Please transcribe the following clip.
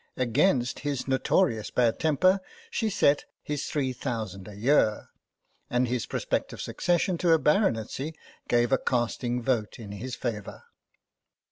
Against his notorious bad temper she set his three thousand a year, and his pro spective succession to a baronetcy gave a casting vote in his favour.